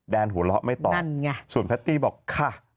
หัวเราะไม่ตอบส่วนแพตตี้บอกค่ะ